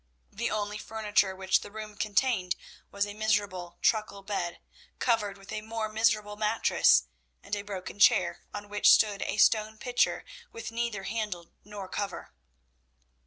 The only furniture which the room contained was a miserable truckle bed, covered with a more miserable mattress, and a broken chair, on which stood a stone pitcher, with neither handle nor cover.